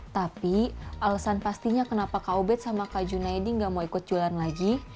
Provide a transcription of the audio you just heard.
tapi alasan pastinya kenapa kak ubed sama kak junaidi gak mau ikut jualan lagi